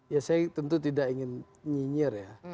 ya saya tentu tidak ingin nyinyir ya